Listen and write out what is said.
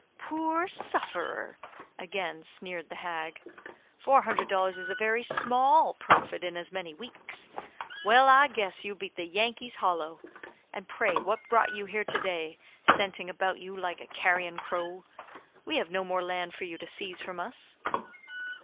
"Poor sufferer!" again sneered the hag. "Four hundred dollars is a very small profit in as many weeks. Well, I guess, you beat the Yankees hollow. And pray, what brought you here to day, scenting about you like a carrion crow? We have no more land for you to seize from us."